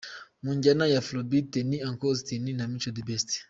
Mu njyana ya Afro beat ni Auncle Austin na Mico the Best.